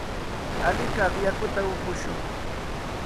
Alikay yakuta upushun.